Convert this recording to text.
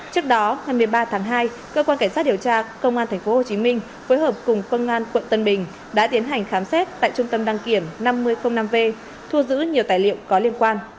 trước đó ngày một mươi ba tháng hai cơ quan cảnh sát điều tra công an tp hcm phối hợp cùng công an quận tân bình đã tiến hành khám xét tại trung tâm đăng kiểm năm v thu giữ nhiều tài liệu có liên quan